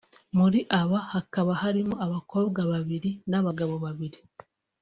muri aba hakaba harimo abakobwa babiri n’abagabo babiri